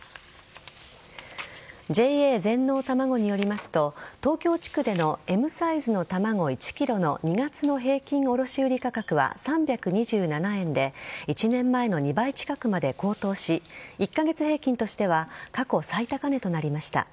ＪＡ全農たまごによりますと東京地区でのＭサイズの卵１ｋｇの２月の平均卸売価格は３２７円で１年前の２倍近くまで高騰し１カ月平均としては過去最高値となりました。